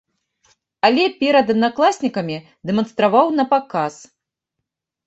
Але перад аднакласнікамі дэманстраваў напаказ.